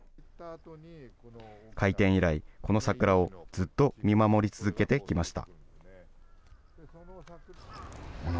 開店以来、この桜をずっと見守り続けてきました。